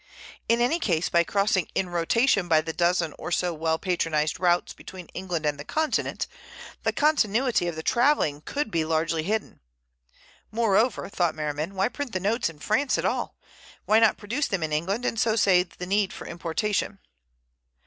In any case, by crossing in rotation by the dozen or so well patronized routes between England and the Continent, the continuity of the travelling could be largely hidden. Moreover, thought Merriman, why print the notes in France at all? Why not produce them in England and so save the need for importation?